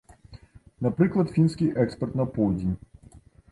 Напрыклад, фінскі экспарт на поўдзень.